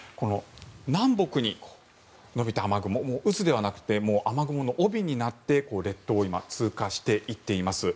南北に延びた雨雲渦ではなくて雨雲の帯になって、列島を今、通過していっています。